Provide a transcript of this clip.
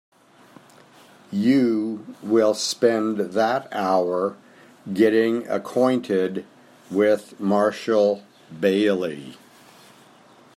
You will spend that hour getting acquainted with Marshall Bailey.